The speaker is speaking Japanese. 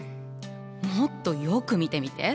もっとよく見てみて。